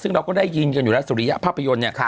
ซึ่งเราก็ได้ยินกันอยู่แล้วสุริยภาพยนตร์เนี่ย